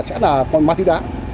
sẽ là con ma túy đá